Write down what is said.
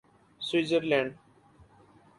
Switzer land